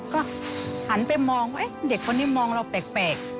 ก็หันไปมองว่าเด็กคนนี้มองเราแปลก